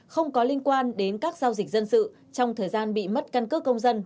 không có liên quan đến các giao dịch dân sự trong thời gian bị mất căn cước công dân